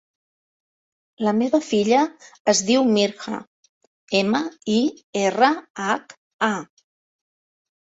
La meva filla es diu Mirha: ema, i, erra, hac, a.